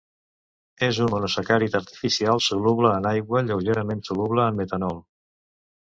És un monosacàrid artificial, soluble en aigua i lleugerament soluble en metanol.